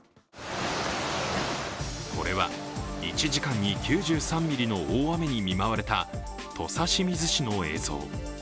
これは１時間に９３ミリの大雨に見舞われた土佐清水市の映像。